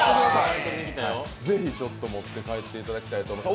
ぜひ持って帰っていただきたいと思います。